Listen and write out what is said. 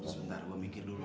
sebentar gue mikir dulu